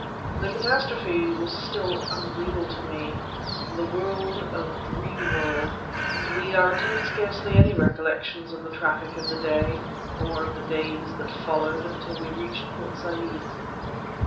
The catastrophe was still unreal to me, and the world a dream world. Indeed I retain scarcely any recollections of the traffic of that day, or of the days that followed it until we reached Port Said.